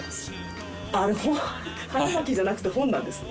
あれ腹巻きじゃなくて本なんですね。